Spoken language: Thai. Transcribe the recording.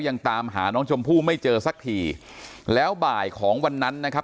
ยังตามหาน้องชมพู่ไม่เจอสักทีแล้วบ่ายของวันนั้นนะครับ